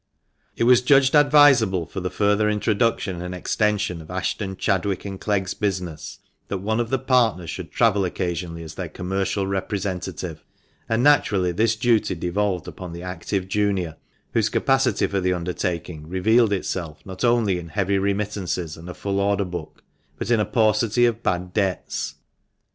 It was judged advisable, for the further introduction and extension of Ashton, Chadwick, and Clegg's business, that one of the partners should travel occasionally as their commercial repre sentative ; and naturally this duty devolved upon the active junior, whose capacity for the undertaking revealed itself not only in heavy remittances and a full order book, but in a paucity of bad debts.